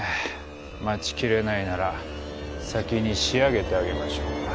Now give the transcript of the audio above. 待ちきれないなら先に仕上げてあげましょうか？